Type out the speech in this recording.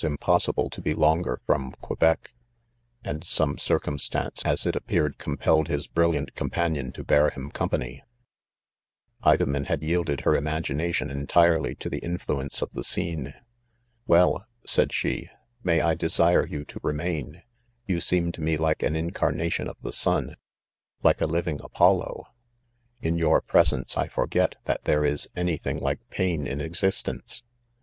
impossible to he . longer from Quebec ; and some «iream stance, as it appeared, compelled Mb brilliant companion; torbear him company. THE WUAWGEIU It Idomen had yielded her Imagination entire ly to the influence of the scene. "Well/' said she 1 ,'" may I desire you to remain, — you seem to me like an incarnation of the Bun>~~ like a living Apollo/ In your presence I forget that there is any thing like pain in existence